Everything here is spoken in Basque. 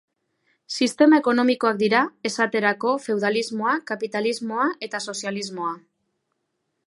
Sistema ekonomikoak dira, esaterako, feudalismoa, kapitalismoa eta sozialismoa.